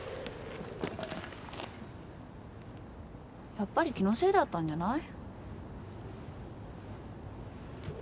やっぱり気のせいだったんじゃない？